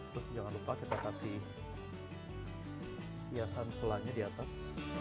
terus jangan lupa kita kasih hiasan kulanya di atas